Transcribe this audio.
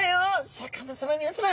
シャーク香音さま皆さま！